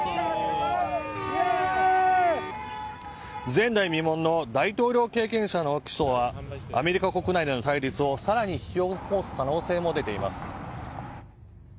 前代未聞の大統領経験者の起訴はアメリカ国内での対立をさらに引き起こす可能性も出ています。